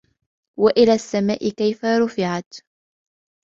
وَإِلَى السَّمَاءِ كَيْفَ رُفِعَتْ